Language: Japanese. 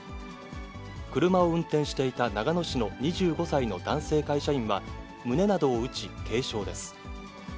車を運転していた長野市の２５歳の男性会社員は、胸などを打ち軽傷です。